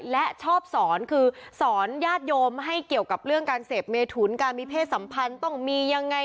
และชอบสอนคือสอนญาติโยมให้เกี่ยวกับเรื่องการเสพเมถุนการมีเพศสัมพันธ์ต้องมียังไง